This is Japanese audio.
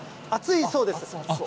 熱いそうです。